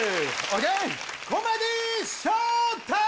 コメディーショータイム！